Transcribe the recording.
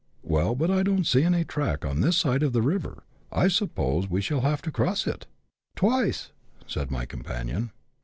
"*' Well, but I don't see any track on this side of the river; I suppose we shall have to cross it ?"" Twice," said my companion.